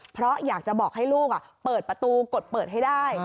เพราะอยากจะบอกให้ลูกเปิดประตูกดเปิดให้ได้